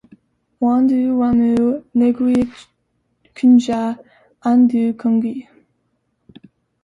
W'andu w'amu ndew'ikuenjaa andu kungi.